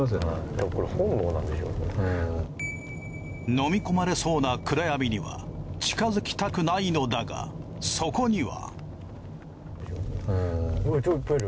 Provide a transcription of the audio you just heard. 飲み込まれそうな暗闇には近づきたくないのだがそこには。